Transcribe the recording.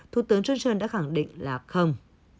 thủ tướng johnson đã khẳng định là không